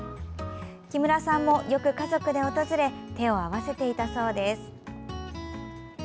木村さんも、よく家族で訪れ手を合わせていたそうです。